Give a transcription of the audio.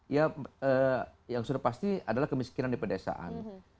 ya yang sudah pasti adalah kemiskinan di pedesaan